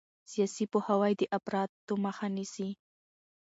سیاسي پوهاوی د افراط مخه نیسي